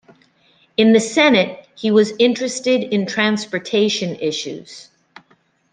In the Senate, he was interested in transportation issues.